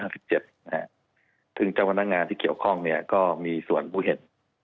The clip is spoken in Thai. ซึ่งเจ้าพนักงานที่เกี่ยวข้องก็มีส่วนผู้เห็น